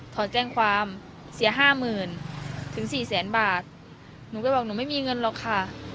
ถอนแจ้งความเสียห้าหมื่นถึงสี่แสนบาทหนูก็บอกหนูไม่มีเงินหรอกค่ะ